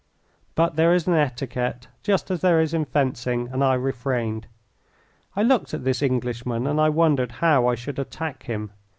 But there is an etiquette just as there is in fencing, and I refrained. I looked at this Englishman and I wondered how I should attack him.